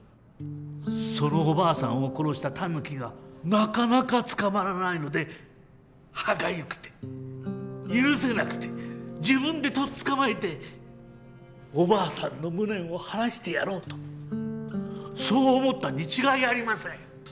そのおばあさんを殺したタヌキがなかなか捕まらないので歯がゆくて許せなくて自分でとっつかまえておばあさんの無念を晴らしてやろうとそう思ったに違いありません。